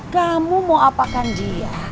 kamu mau apakan dia